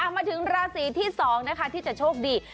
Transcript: มาถึงราศีที่๒นะคะที่จะโชคดี